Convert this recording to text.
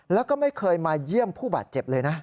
แล้วก็ไม่เคยมาเยี่ยมผู้บาดเจ็บเลยนะ